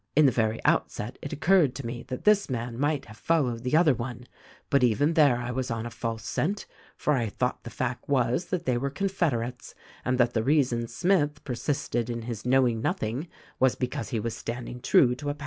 "In the very outset it occurred to me that this man might have followed the other one ; but even there I was on a false scent, for I thought the fact was that they were confed erates and that the reason Smith persisted in his knowing nothing was because he was standing true to a pal.